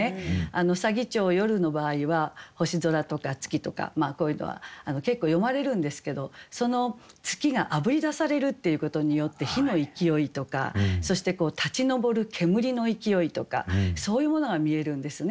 左義長夜の場合は星空とか月とかこういうのは結構詠まれるんですけどその月があぶり出されるっていうことによって火の勢いとかそして立ち上る煙の勢いとかそういうものが見えるんですね。